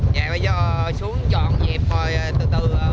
dạ bây giờ xuống trọn dẹp rồi từ từ quê hết đợt bão rồi